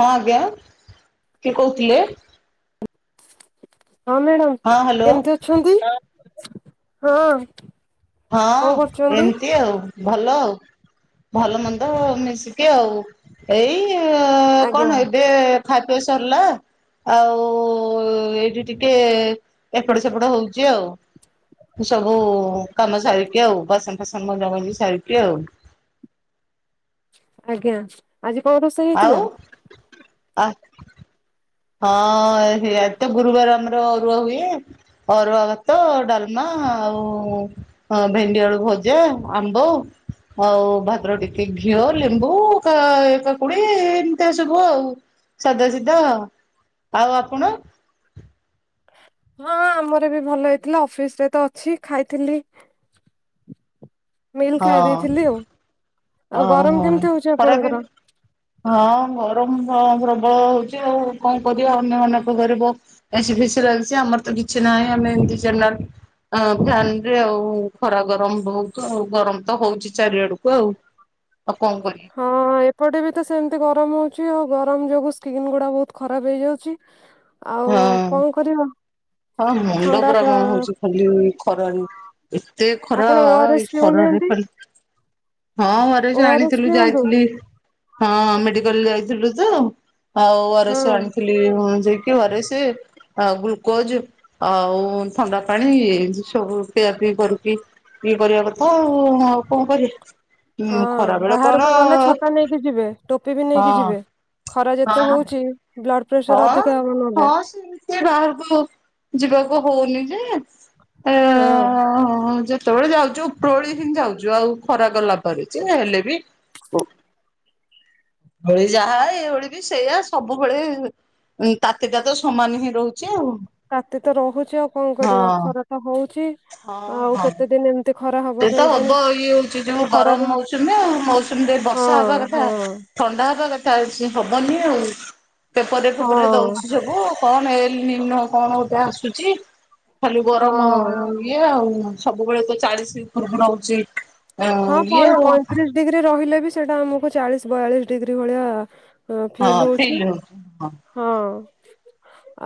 ହଁ ଆଜ୍ଞା କିଏ କହୁଥିଲେ? ହଁ ମ୍ୟାଡ଼ାମ ହଁ ହ୍ୟାଲୋ କେମିତି ଅଛନ୍ତି ହଁ। ହଁ କଣ କରୁଛନ୍ତି? ଏମିତି ଆଉ। ଭଲ ଆଉ ଭଲ ମନ୍ଦ ମିଶିକି ଆଉ। ଏଇ ଆଜ୍ଞା କଣ ଏବେ ଖା ପିଅ ସରିଲା। ଆଉ ଏଇଠି ଟିକେ ଏପଟ ସେପଟ ହଉଛି ଆଉ। ସବୁ କାମ ସାରିକି ଆଉ ବାସନ ଫାସନ ମଜା ମଜିକି ସାରିକି ଆଉ। ଆଜ୍ଞା ଆଜି କଣ ରୋଷେଇ ଆଉ ହୋଇଥିଲା? ଆ ହଁ ସେଇଆଡେ ତ ଗୁରୁବାର ଆମର ଅରୁଆ ହୁଏ। ଅରୁଆ ଭାତ ଡାଲମା ଆଉ ହଁ ଭେଣ୍ଡିଆଳୁ ଭଜା ଆମ୍ବ ଆଉ ଭଦ୍ର ଟିକେ ଘିଅ ଲେମ୍ବୁ କା କାକୁଡି ଏମିତି ସବୁ ଆଉ। ସାଧାସିଧା ଆଉ। ଆଉ ଆପଣ? ହଁ ଆମର ବି ଭଲ ହେଇଥିଲା ଅଫିସରେ ତ ଅଛି ଖାଇଥିଲି। ମିଲ୍ ଖାଇ ହଁ ଦେଇଥିଲି ଆଉ। ଆଉ ଗରମ ଓହୋ କେମିତି ହଉଛି ଖରାବେ ଆପଣଙ୍କର? ହଁ ଗରମ ହଁ ପ୍ରବଳ ହଉଛି ଆଉ କଣ କରିବା ଅନ୍ୟମାନଙ୍କ ଘରେ ଏସି ଫେସି ଲାଗିଚି ଆମର ତ କିଛି ନାହିଁ ଆମେ ଏମତି ଜେନେରାଲ ଆ ଫ୍ୟାନରେ ଆଉ ଖରା ଗରମ ବହୁତ ଗରମ ତ ହଉଛି ଚାରିଆଡକୁ ଆଉ। ଆଉ କଣ କରି ହଁ ଏପଟେ ତ ବି ସେମିତି ଗରମ ହେଉଛି ଆଉ ଗରମ ଯୋଗୁଁ ସ୍କିନ୍ ଗୁଡ଼ା ବହୁତ ଖରାପ ହେଇଯାଉଛି। ଆଉ ହଁ କଣ କରିବା ହଁ ମୁଣ୍ଡ ଥଣ୍ଡା ପୁରା କାଁ କଣ ହଉଛି ଖାଲି ଏ ଖରାରେ ଏତେ ଖରା ଆପଣ ଓ ଆର ଏଇ ଏସ୍ ଖରାରେ ପିଉନାହାନ୍ତି ଖାଲି ହଁ ଘରେ ଓ ଆର ଏସ୍ ଜାଣିଥିଲୁ ପିଅନ୍ତୁ ଯାଇଥିଲି। ହଁ ମେଡିକାଲ ଯାଇଥିଲୁ ତ ଆଉ ୱାରେସ ହଁ। ଆଣିଥିଲି ଯାଇକି। ଘରେ ସେ ଗ୍ଲୁକୋଜ। ଆଉ ଥଣ୍ଡା ପାଣି ସବୁ ପିଆ ପିଇ କରିକି। ଇଏ କରିବା କଥା ଆଉ କଣ କରିବି। ହଁ ବାହାରକୁ ଗଲେ ଛତା ନେଇକି ଯିବେ ଟୋପି ବି ନେଇକି ହଁ ଯିବେ। ଖରା ଯେତେ ହଁ ହଉଛି ବ୍ଲଡ଼ ହଁ ହଁ ସେମିତି ବାହାରକୁ ଯିବାକୁ ହଉନି ଯେ ହଁ ସେତେବେଳେ ଯାଉଛୁ ଉପରଳି ହିଁ ଯାଉଛୁ ଆଉ ଖରାପରେ ଯେ ହେଲେ ବି ଓଳି ଯାହା ଏଇଓଳି ବି ସେଇଆ ସବୁବେଳେ ଉ ତାତିଟା ତ ସମାନ ହିଁ ରହୁଛି ଆଉ ରାତି ତ ରହୁଛି ଆଉ କଣ କରିବା ହଁ ଖରା ତ ହଉଛି ହଁ ଆଉ ହଁ। କେତେ ଦିନ ଏମିତି ଖରା ସେ ତ କେଜାଣି ହବ ଇଏ ହଉଛି ଯୋଉ ଖରାର ଗରମ ମୌସୁମୀ ଆଉ ମୌସୁମୀ ଟ ହଁ ବର୍ଷା ହବା କଥା। ହଁ ଥଣ୍ଡା ହେବା କଥା ଅଛି ହବନି ଆଉ ପେପରେ ହଁ ଫେପରେ ଦଉଛି ସବୁ କଣ ଏ ଏଲନିନୋ କଣ ଗୋଟେ ଆସୁଛି ଖାଲି ଗରମ ହଁ ଇଏ ଆଉ ସବୁବେଳେ ଚାଳିଶି ଉପରକୁ ରହୁଛି ଆ ହଁ ଇଏ ପଇଁ ଆଉ ପଇଁତିରିଶ ଡିଗ୍ରୀ ରହିଲେ ବି ସେଟା ଆମକୁ ଚାଳିଶି ବୟାଳିଶି ଡିଗ୍ରୀ ଭଳିଆ ଫିଲ୍ ହଉଛି। ହଁ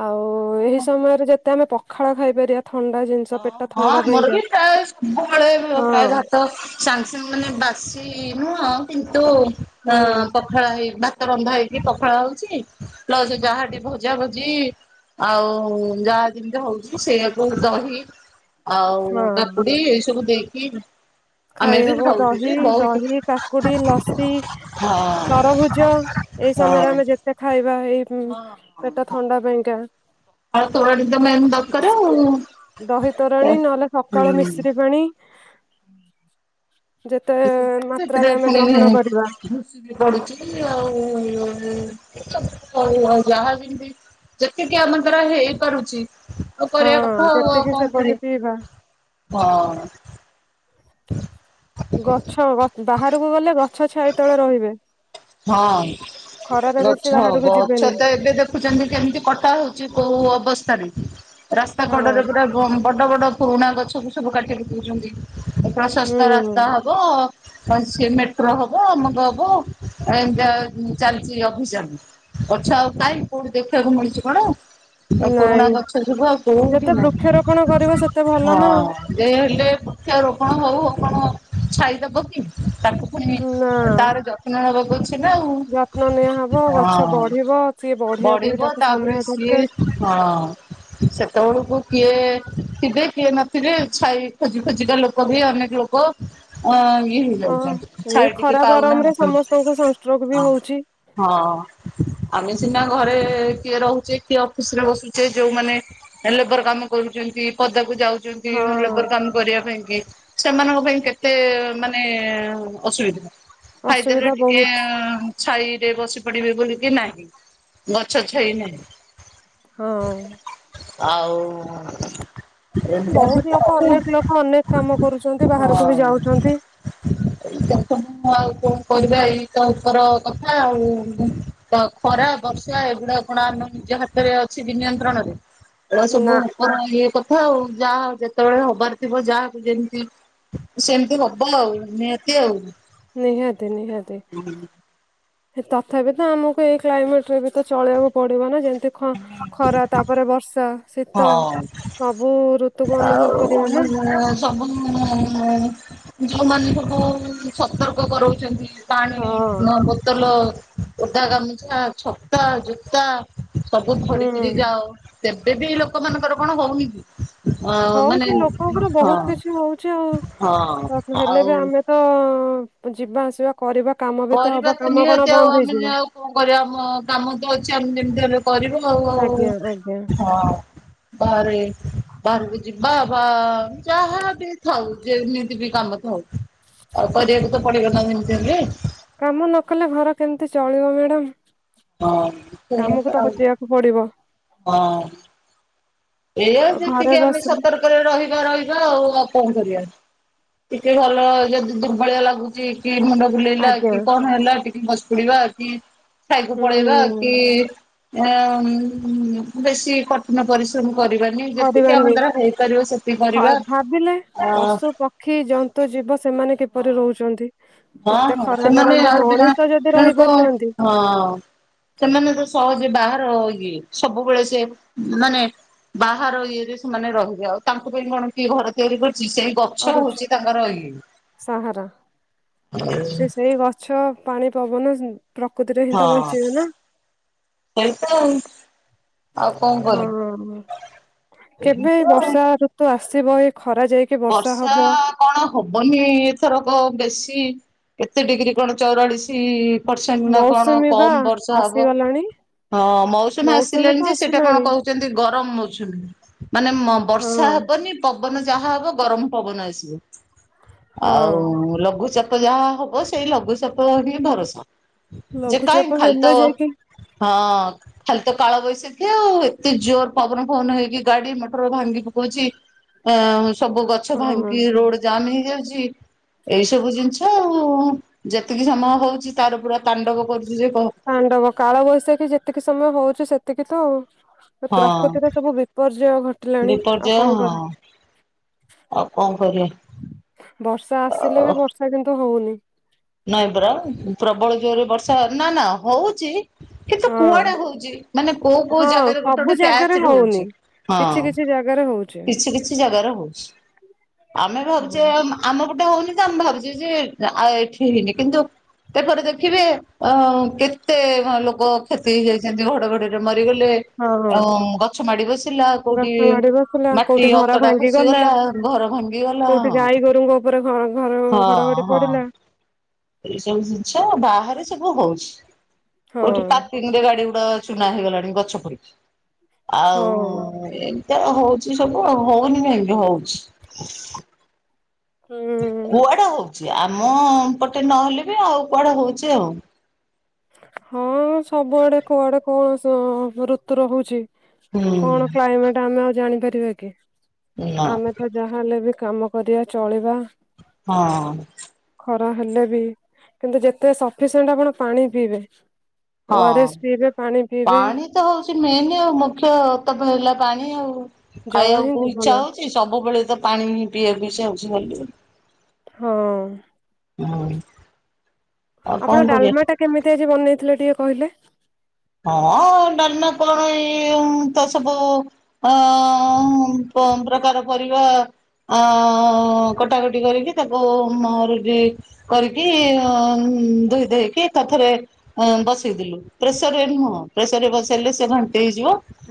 ଆଉ ଏହି ସମୟରେ ଯେତେ ଆମେ ପଖାଳ ଖାଇପାରିବା। ଥଣ୍ଡା ଜିନି ହ ହଁ ଆମର ବି ପ୍ରାୟ ସବୁବେଳେ ପ୍ରାୟ ହଁ ଭାତ। ସାଙ୍ଗେ ସାଙ୍ଗେ ମାନେ ବାସି ନୁହଁ କିନ୍ତୁ ଅ ହୁଁ ପଖଳା ହେଇ ଭାତ ବନ୍ଧା ହେଇକି ପଖାଳ ହଉଛି ପ୍ଲସ ଯାହା ଭଜା ଭଜି। ଆଉ ଯାହା ଯେମିତି ହଉଛି ସେଇଆକୁ ଦହି। ଆଉ ହଁ। କାକୁଡି ଏଇ ସବୁ ଦେଇକି ଆମେ ବି ଖାଇହବ ଖାଉଛୁ ଦହି ଯେ ବହୁତ ଦହି କାକୁଡି ଲସି ହଁ ତରଭୁଜ ଏଇ ସମୟରେ ହଁ ଆମେ ଯେ ସେ ଖାଇବା ଏଇ ହଁ ହଁ ପେଟ ଥଣ୍ଡା ପାଇଁକା। ଆଉ ତୋରାଣି ତ ମେନ୍ ଦରକାର ଆଉ ଦହି ତୋରାଣି ନହେଲେ ସକାଳୁ ହୁଁ। ମିଶ୍ରି ପାଣି। ଯେତେ [unintelligible] ସେତିରେ ମାତ୍ରାରେ ଆମେ ପୁଣି ଗ୍ରହଣ କରିବା ବି ପଡୁଛି ଆଉ [unintelligible] ଆଉ ଯାହା ବି ଯେତିକି ଆମ ଦ୍ୱାରା ହେଇପାରୁଛି। ହଁ କରିବା କଥା ଆଉ ଯେତିକି କଣ ସେତିକି ପିଇବା କରିବି ହଁ। ଗଛ ବାହାରକୁ ଗଲେ ଗଛ ଛାଇ ତଳେ ରହିବେ। ହଁ ଖରାରେ ବେଶୀ ଗଛ ଗ ବାହାରକୁ ଗଛ ଯିବେନି ତ ଏବେ ଦେଖୁଛନ୍ତି କେମିତି କଟା ହଉଛି କୋଉ ଅବସ୍ଥାରେ। ରାସ୍ତା ହଁ କଡରେ ପୁରା ବଡ ବଡ ପୁରୁଣା ଗଛକୁ ସବୁ କାଟିକି ଦଉଛନ୍ତି ପ୍ରଶସ୍ତ ହୁଁ ରାସ୍ତା ହବ। ସିମେଟ୍ରୋ ହବ ଅମକ ହବ। ଏ ଚାଲିଛି ଅଭିଯାନ। ଗଛ ଆଉ କାଇଁ କୋଉଠି ଦେଖିବାକୁ ମିଳୁଛି କଣ? ଏ ପୁରୁଣା ନାଇଁ ଗଛ ସବୁ ଆଉ କୋଉଠି ଯେତେ ନାହିଁ। ବୃକ୍ଷରୋପଣ କରିବ ସେତେ ଭଲ ନା ଆଉ ଯେ ହେଲେ ବୃକ୍ଷରୋପଣ ହଉ ହଉ କଣ ଛାଇଦବ କି? ତାକୁ ପୁଣି ନା ତାର ଯତ୍ନ ନବାକୁ [unintelligible] ଅଛି ନା ଆଉ। ଯତ୍ନ ନିଆହବ ହଁ ଗଛ ବଢିବ ସିଏ ବଢିବାକୁ ବି ବଢିବ ତାକୁ ସମୟ ତାପରେ ସିଏ ଦରକାର ହଁ। ସେତେବେଳକୁ କିଏ ଥିବେ କିଏ ନଥିବେ? ଛାଇ ଖୋଜି ଖୋଜି ବି ଲୋକ ବି ଅନେକ ଲୋକ ଅ ଇଏ ହଁ ହେଇଯାଉଛନ୍ତି। ଏଇ ଛାଇ ଟିକେ ଖରା ଗରମରେ ପାଉନାହାନ୍ତି। ସମସ୍ତଙ୍କୁ ସଂଷ୍ଟ୍ରୋକ ବି ହଉଛି। ହଁ ଆମେ ସିନା ଘରେ କିଏ ରହୁଛେ କିଏ ଅଫିସ ରେ ବସୁଛେ। ଯୋଉମାନେ ଲେବର କାମ କରୁଛନ୍ତି ପଦାକୁ ଯାଉଛନ୍ତି। ହଁ। ଲେବର କାମ କରିବା ପାଇଁ କି ସେମାନଙ୍କ ପାଇଁ କେତେ ମାନେ ଅସୁବିଧା। ଖାଇଦେଲେ ଅସୁବିଧା ଟିକେ ବହୁତ ଛାଇରେ ବସି ପଡିବେ ବୋଲିକି ନାହିଁ। ଗଛ ଛାଇ ନାହିଁ। ହଁ। ଆଉ ଏମିତି ବହୁତୁ ହଁ ଲୋକ ମୁଁ ଅନେକ ଲୋକ ଅନେକ କାମ କରୁଛନ୍ତି। ବାହାରକୁ ବି ଯାଉଛନ୍ତି। [unintelligible] ମୁ ଆଉ କଣ କରିବା ଏଇତ ଉପର କଥା ଆଉ। ଖରା ବର୍ଷା ଏଗୁଡା କଣ ଆମ ନିଜ ହାତରେ ଅଛି କି ହ ବିନିୟନ୍ତ୍ରଣରେ? ଏ ସବୁ ଉପର ଇଏ କଥା ଆଉ। ଯାହା ଯେତେବେଳେ ହବାର ଥିବ ଯାହାବ ଯେମିତି ସେମିତି ହବ ଆଉ ନିହାତି ଆଉ। ନିହାତି ନିହାତି। ହୁଁ ହୁଁ। ତଥାପି ତ ଆମକୁ ଏଇ କ୍ଲାଇମେଟ ରେ ବି ତ ଚଳେଇକୁ ପଡିବ ନା। ଯେମ ଖରା ତାପରେ ବର୍ଷା ଶୀତ ହଁ। ସବୁ ଋତୁକୁ ଅନୁଭବ ଆଉ କରିବା ନା ସବୁ ଯୋଉମାନେ ସବୁ ସତର୍କ କରାଉଛନ୍ତି। ପାଣି ହଁ ନ ବୋତଲ ଓଦା ଗାମୁଛା ଛତା ଜୋତା। ସବୁ ହୁଁ। ଧରିକିରି ଯାଉ। ତେବେ ବି ଏଇ ଲୋକମାନଙ୍କର କଣ ହଉନି କି? ଅ ମାନେ ହଉଛି ଲୋକଙ୍କର ବହୁତ ହଁ କିଛି ହଉଛି ହଁ ଆଉ। ହେଲେ ଆଉ ବି ଆମେ ତ ଯିବା ଆସିବା କରିବା କାମ ଭି ତ କରିବା ହବ କାମ ନିହାତି କଣ ଆଉ ବନ୍ଦ ଆମେ ହେଇଯିବ? ଆଉ କଣ କରିବା ଆମ କାମ ତ ଅଛି ଆମେ ଯେମିତି ହେଲେ କରିବୁ ଆଉ ଆଉ। ଆଜ୍ଞା ଆଜ୍ଞା ବାହାରେ ବାହାରକୁ ଯି ବା ବା ଯାହା ବି ଥାଉ ଯେମିତି ବି କାମ ଥାଉ। ଆଉ କରିବାକୁ ତ ପଡ଼ିବନା ଯେମିତି ହେଲେ। କାମ ନ କଲେ ଘର କେମିତି ଚଳିବ ମ୍ୟାଡାମ? ହଁ ସେଇଆ କାମକୁ ତ ଆଉ। ଦିିବା ପଡିବ। ହଁ। ଏୟା ଆଉ ଘରେ ଯେତିକି ଆମେ ବସିଲେ ସତର୍କରେ ରହିବା ରହିବା ଆଉ। ଆଉ କଣ କରିବା? ଟିକେ ଭଲ ଯଦି ଦୁର୍ବଳିଆ ଲାଗୁଚି କି ମୁଣ୍ଡ ବୁଲେଇଲା ଆଜ୍ଞା କି କଣ ହେଲା ଟିକେ ବସି ପଡିବା କି ଛାଇ କୁ ହୁଁ ପଳେଇବା। ହୁଁ। କି ଅନ୍ ବେଶୀ କଠିନ ପରିଶ୍ରମ କରିବା ମାନ ଯେତିକି ଆମ କରିବାନି ଦ୍ୱାରା ହେଇପାରିବ ସେତିକି କରିବା ଆଉ ଖି ଜନ୍ତୁ ଜୀବ ସେମାନେ କିପରି ରହୁଚନ୍ତି? ହଁ ହଁ ସେମାନେ ଆଉ ବିନା ଯଦି ନେ ରହି କଣ ପାରୁନାହାନ୍ତି ହଁ। ସେମାନେଙ୍କ ସହଜେ ବାହାର ଇଏ ସବୁବେଳେ ସେ ମାନେ ବାହାର ଇଏ ରେ ସେମାନେ ରହିବ। ଆଉ ତାଙ୍କ ପାଇଁ କଣ କିଏ ଘର ତିଆରି କରୁଚି ସେ ଗ ସଲ ହଉଚି ତାଙ୍କର ଇଏ। ସହର। ସେ ସେଇ ଗଛ ପାଣି ପବନ ସେନ୍ ହଁ ସେଇ ତ। ହ କେବେ ଏମିତି ଆଉ। ବର୍ଷା ଋତୁ ଆସିବ ଏଇ ଖରା ଯାଇ ବର୍ଷା କଣ ହବନି ଏଥରକ ବେଶୀ। କେତେ ଡିଗ୍ରୀ କଣ ଚଉରାଳିସି ପରସେଣ୍ଟ ନା କଣ ମୌସୁମୀ ବା କମ ବର୍ଷ ହବ। ଆସିଗଲାଣି ହଁ ମୌସୁମୀ ଆସିଲାଣି ତ ଯେ ସେଟା କଣ ଆସିଲାଣି କହୁ ଯେମିତି ଗରମ ହଉଚନ୍ତି ମାନେ ମ ହଁ ବର୍ଷା ହବନି ପବନ ଯାହା ହବ ଗରମ ପବନ ଆସିବ ହଁ ଆଉ ଲଘୁଚାପ ଯାହା ହବ ସେଇ ଲଘୁଚପ ହିଁ ଭରସା ଯେ କାହି ଲଘୁଚାପ ଖାଲ ତ ହେଲେ ହଁ। ଯାଇକି ଖାଲି ତ କାଳବୈଶାଖି ଆଉ ଏତେ ଜୋର ପବନ ପବନ ହେଇକି ଗାଡି ମଟର ଭାଙ୍ଗି ପକଉଚି। ଅ ସବୁ ଗଛ ହଁ ଭାଙ୍ଗି ରୋଡ ଜାମ ହେଇଯାଉଚି। ଏଇ ସବୁ ଜିନିଷ ଆଉ ଯେତିକି ସମୟ ହଉଚି ତାର ପୁରା ତାଣ୍ଡବ କରୁଚି ଯେ ତାଣ୍ଡବ କାଳବୈଶାଖୀ ଯେତିକି ସମୟ ହଉଚି ସେତିକି ତ ଆଉ। ତ ହଁ ପ୍ରକୃତିରେ ସବୁ ବିପର୍ଯ୍ୟୟ ଘଟିଲାଣି ଆଉ ବିପର୍ଯ୍ୟୟ କଣ କରି ହଁ। ଆଉ କଣ କରିବା ବର୍ଷା ଆସିଲେ ବି ବର୍ଷା କିନ୍ତୁ ହଉନି। ନାଇ ପରା ପ୍ରବଳ ଜୋରେ ବର୍ଷା ନା ନା ହଉଚି କିନ୍ତୁ ହଁ କୁଆଡେ ହଉଚି ମାନେ କୋଉ କୋଉ ହଁ ଜାଗାରେ ଗୋଟେ ସବୁ ଗୋଟେ ଜାଗାରେ ପ୍ୟାଚ ହଉନି। ରହୁଚି। କିଛି କିଛି ଜାଗାର କିଛି କିଛି ଜାଗାରେ ହଉଚି। ଆମେ ହଁ ଭାବୁଚେ ଆ -ଆମ ପଟେ ହଉନି ତ ଆମେ ଭାବୁଚେ ଯେ ଆ ଏଠି ହେଇନି କିନ୍ତୁ ସେପଟେ ଦେଖିବେ ଅ କେତେ କଣ ଲୋକ କ୍ଷତି ହେଇଯାଇଚନ୍ତି ଘଡଘଡି ଯୋଉ ମରିଗଲେ ହଁ ଆଉ ଗଛ ମାଡି ବସିଲା ଗଛ କୋଉଠି ମାଡି ବସିଲା ମାଟି କୋଉଠି ଘର ଅତଡ଼ା ଭାଙ୍ଗି ଗଲା। ଖସିଗଲା। ଘର ଭାଙ୍ଗିଗଲା କୋଉଠି ଗାଈ ଗୋରୁଙ୍କ ଉପରେ ଘ ଘର ହଁ ଘଡଘଡି ହଁ। ପଡିଲା ଏଇ ସବୁ ଜିନିଷ ବାହାରେ ସବୁ ହଉଚି ହଁ କୋଉଠି ପାପି କିଣ୍ଡ ଗାଡି ଗୁଡା ଚୁନା ହେଇଗଲାଣି ଗଛ ପଡିକି। ହଁ ଆଉ ଏମି ତୀ ହଉଚି ସବୁ ଆଉ ହଉନି କାଇଁକ ହଉଚି। ହୁଁ। କୁଆଡେ ହଉଚି ଆମ ପଟେ ନହେଲେ ବି ଆଉ କୁଆଡେ ହଉଚି ଆଉ। ହଁ ସବୁଆଡେ କୁଆଡେ କଣ ସ ଋତୁର ହଉଚି। ହୁଁ କଣ କ୍ଲାଇମେଟ ଆମେ ଆଉ ଜାଣିପାରିବା କି ନା ଆମେ ତ ଯାହା ହେଲେ ବି କାମ କରିବା ଚଳିବା। ହଁ। ଖରା ହେଲେ ବି କିନ୍ତୁ ଯେତେ ସଫିସେଣ୍ଟ ଆପଣ ପାଣି ପିଇବେ। ଓ ଆର୍ ହଁ। ଏସ୍ ପିଇବେ ପାଣି ପିଇବେ। ପାଣି ତ ହଉଚି ମେନେ ଆଉ ମୁଖ୍ୟ ତା ପାଇଁ ହେଲା ପାଣି ଆଉ ଜଳ ଖାଇଆକୁ ହିଁ କୋଉ ଇଚ୍ଛା ଜୀବନ ହଉ ଚି ସବୁବେଳେ ତ ପାଣି ଉଁ ପିଇଆକୁ ଇଚ୍ଛା ହଉଚି ଖାଲି। ହଁ। ଅଁ ଆପଣ ଡାଲମାଟା କେମିତି ଆଜି ବନେଇଥିଲେ ଟିକେ କହିଲେ। ହଁ ଡାଲମା କଣ ଏଇ ଉଁ ତ ସବୁ ଅ [inaudible] ଉଁ କମ୍ ପ୍ରକାର ପରିବା ଆଁ କଟାକଟି କରିକି ତାକୁ ମ [unintelligible] କରିକି ଅଁ ଉଁ ଧୋଇ ଧାଇକି ଏକାଥରେ ଆଁ ବସେଇଦେଲୁ ପ୍ରେସ୍ ତରରେ ନୁହଁ ପ୍ରେସରରେ ବସଇଲେ ସିଏ ଘାଣ୍ଟି ହେଇଯିବ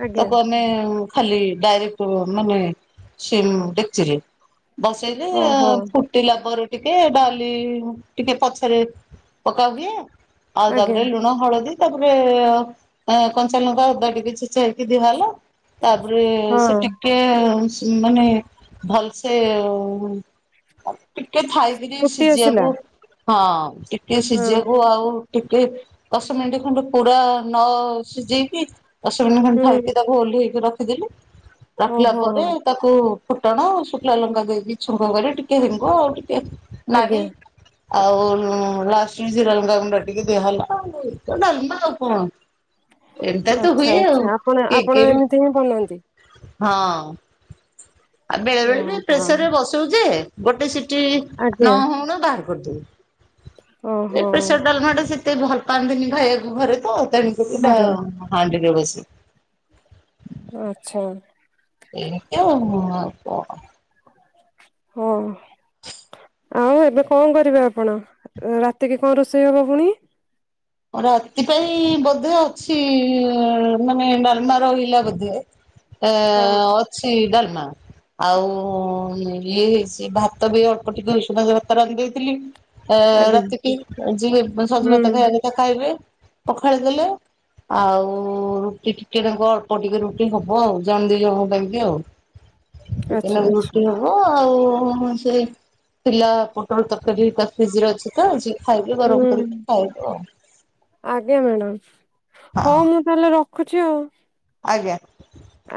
ଆଜ୍ଞା ତାକୁ ଆମେ ଉଁ ଖାଲି ଡାଇରେକ୍ଟ ମାନେ ସିମ୍ ଡେକ୍ଚିରେ ବସେଇଲେ ଓହୋ ଆଁ ଫୁଟ୍ ଟିଲା ପରେ ଟିକେ ଡାଲି ଟିକେ ପଛରେ ପକା ହୁଏ। ଆଉ ଆଜ୍ଞା ତାପରେ ଲୁଣ ହଳଦୀ ରେ ଅ ଆଁ କଞ୍ଚାଲଙ୍କା ଅଦା ଟିକେ ଛେଚା ହେଇକି ଦିଆ ହେଲା। ତାପରେ ସେ ହଁ ଟିକେ ଉଁ ସ୍ ମାନେ ଭଲ ସେ ଉଁ ଆଉ ଟିକେ ଥାଇକିରି ଫୁଟି ଆସିଲା ସିଜିଆକୁ ହଁ ଟିକେ ହଁ ସିଝିଆକୁ ଆଉ ଟିକେ ଦଶ ମିଣ୍ଟି ଖଣ୍ଡେ ପୁରା ନ ସିଜେଇକି ଦଶ ମିଣ୍ଟି ଖଣ୍ଡେ ହୁଁ ଥାଇକି ତାକୁ ଓଲ୍ହେଇକି ରଖିଦେଲି। ରଖିଲା ଓହୋ ପରେ ତାକୁ ଫୁଟଣ ଶୁଖିଲା ଲଙ୍କା ଦେଇକି ଛୁଙ୍ଗ କରି ଟିକେ ହେଙ୍ଗୁ ଆଉ ଟିକେ ଆଜ୍ଞା ନାଡି ଆଉ ଉଁ ଲାଷ୍ଟଙ୍କୁ ଜିରା ଲଙ୍କା ଗୁଣ୍ଡ ଟିକେ ଦିଆ ହେଲା ଆଉ ଏଇ ତ ଡାଲମା ଆଉ କଣ ଏନ୍ତା ତ ଆଚ୍ଛା ହୁଏ ଆଉ ଆଚ୍ଛା ଆପଣ ଆପଣ ଏମିତି ହିଁ ବନାନ୍ତି। [unintelligible] ହଁ। ଆ ବେଳେ ବେଳେ ଓହୋ ବି ପ୍ରେସରରେ ବସଉ ଯେ ଗୋଟେ ସିଟି ଆଜ୍ଞା ନ ହଉଣୁ ବାହାର କରିଦଉ। ଇଏ ଓହୋ ପ୍ରେସର ଡାଲମାଟା ସେତେ ଭଲ ପାଆନ୍ତିନି ଖାଇଆକୁ ଘରେ ତ ତେଣୁ ଘରେ [unintelligible] ହାଣ୍ଡିରେ ବସେ। ଆଚ୍ଛା। ଏମତି ଆଉ କଣ। ହଁ। ଆଉ ଏବେ କଁ କରିବେ ଆପଣ ଏଁ ରାତିକି କଁ ରୋଷେଇ ହବ ଫୁଣି? ରାତି ପାଇଁ ବୋଧେ ଅଛି ଉଁ ମାନେ ଡାଲମା ରହିଲା ବୋଧେ। ହଁ ଏଁ ଅଛି ଡାଲମା। ଆଉ ଉଁ ଇଏ ହେଇଚି ଭାତ ବି ଅଳ୍ପ ଟିକେ ଉଷୁନା ଭାତ ରାନ୍ଧି ଦେଇଥିଲି। ଏ ଆଜ୍ଞା ରାତିକି ଯିଏ ଉଁ ସଜ ହୁଁ ଭାତ ଖାଇବା କଥା ଖାଇବେ ପଖାଳି ଦେଲେ। ଆଉ ରୁଟି ଟିକେ ନାକୁ ଅଳ୍ପ ଟିକେ ରୁଟି ହବ ଆଉ ଜଣ ଦି ଜଣଙ୍କ ପାଇଁକି ଆଉ। [unintelligible] ଆଚ୍ଛା ଏଇନା କେ ଆଚ୍ଛା ରୁଟି ହବ। ହଁ ଆଉ ସେଇ ଥିଲା ପୋଟଳ ତରକାରୀ ତା ଫ୍ରିଜରେ ଅଛି ତ। ଖାଇବି ହୁଁ ଗରମ କରିକି ଖାଇବୁ ଆଉ। ଆଜ୍ଞା ମ୍ୟାଡ଼ାମ ହଁ ହଉ ମୁଁ ତାହେଲେ ରଖୁଛି ଆଉ। ଆଜ୍ଞା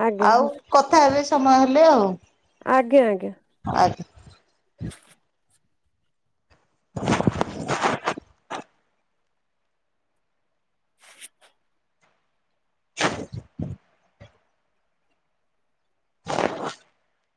ଆଜ୍ଞା ଆଉ କଥା ହେବେ ସମୟ ହେଲେ ଆଉ। ଆଜ୍ଞା, ଆଜ୍ଞା। ଆଗ୍ [inaudible] [inaudible] [inaudible] [inaudible]